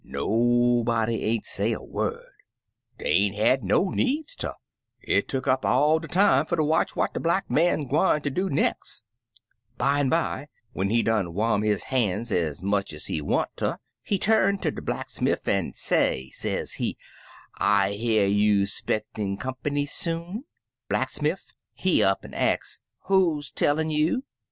Nobody ain't say a word; dey ain't had no needs ter; it took up all der time fer ter watch what de Black Man gwine ter do nex*. Bimeby, when he done warm his han's ez much ez he want ter, he tiun ter de black smiff an* say, sezee, 'I hear you 'spectin' company soon/ De blacksmiff he up an' ax, 'Who been tellin' you?'